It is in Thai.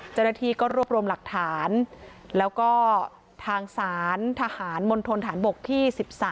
เจรฐีรวบรวมหลักฐานและทางสารทหารมณฑลฐานบกที่๑๓